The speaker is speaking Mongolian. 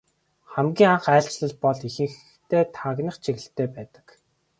Хамгийн анхны айлчлал бол ихэнхдээ тагнах чиглэлтэй байдаг.